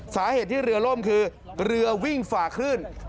สาเหตุที่เรือล่มคือเรือวิ่งฝ่าคลื่น